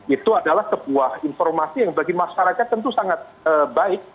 itu adalah sebuah informasi yang bagi masyarakat tentu sangat baik